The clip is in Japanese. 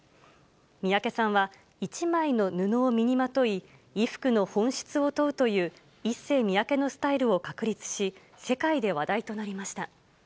三宅さんは、一枚の布を身にまとい、衣服の本質を問うという、イッセイミヤケのスタイルを確立し、世界で話題となりました。